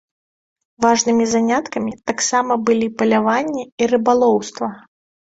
Важнымі заняткамі таксама былі паляванне і рыбалоўства.